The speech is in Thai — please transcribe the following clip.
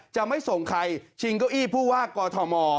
จะไม่ส่งใครชิงเก้าอี้ผู้ว่ากอทม